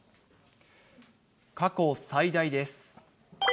過去最大です。